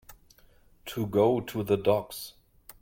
To go to the dogs.